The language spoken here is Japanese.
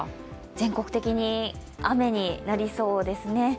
全国的に雨になりそうですね。